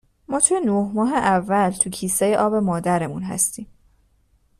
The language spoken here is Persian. ما توی نه ماه اول توی کیسهی آب مادرمون هستیم